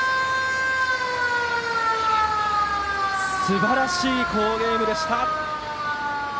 すばらしい好ゲームでした。